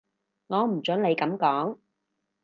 我唔準你噉講